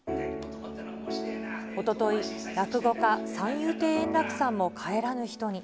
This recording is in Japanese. おととい、落語家、三遊亭円楽さんも帰らぬ人に。